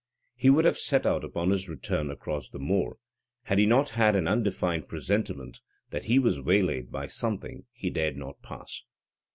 He would have set out upon his return across the moor, had he not an undefined presentiment that he was waylaid by something he dared not pass.